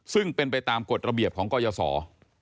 ซึ่งเป็นไปตามกฎระเบียบของกรยศร